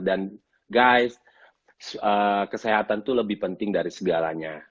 dan guys kesehatan itu lebih penting dari segalanya